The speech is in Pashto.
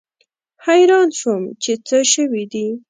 حیران شوم چې څه شوي دي.